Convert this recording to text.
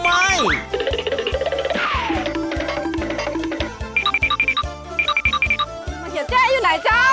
มะเขือแจ้อยู่ไหนเจ้า